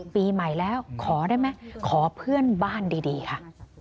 ปีใหม่แล้วขอได้ไหมขอเพื่อนบ้านดีค่ะ